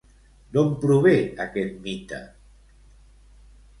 D'on prové aquest mite?